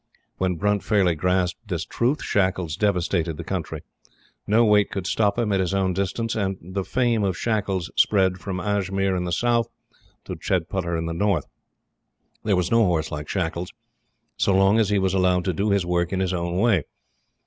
When Brunt fairly grasped this truth, Shackles devastated the country. No weight could stop him at his own distance; and the fame of Shackles spread from Ajmir in the South, to Chedputter in the North. There was no horse like Shackles, so long as he was allowed to do his work in his own way.